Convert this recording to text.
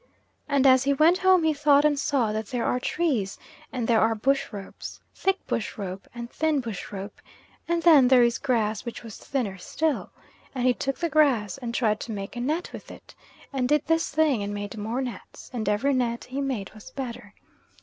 And as he went home he thought and saw that there are trees, and there are bush ropes, thick bush rope and thin bush rope, and then there is grass which was thinner still, and he took the grass, and tried to make a net with it, and did this thing and made more nets and every net he made was better.